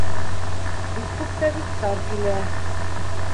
Бик күп табиптар килә.